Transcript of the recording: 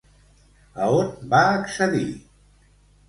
A on va accedir?